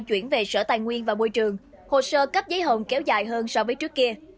chuyển về sở tài nguyên và môi trường hồ sơ cấp giấy hồn kéo dài hơn so với trước kia